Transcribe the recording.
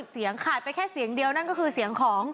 เสียงขาดไปแค่เสียงเดียวนั่นก็คือเสียงของ